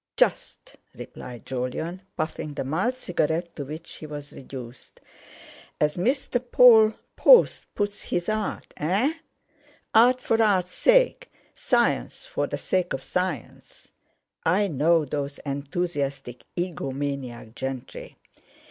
"Just," replied Jolyon, puffing the mild cigarette to which he was reduced, "as Mr. Paul Post puts his art, eh? Art for Art's sake—Science for the sake of Science. I know those enthusiastic egomaniac gentry.